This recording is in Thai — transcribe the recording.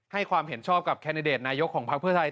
ให้ความเห็นชอบกับแคนนาโยกของภักดิ์เพื่อไทย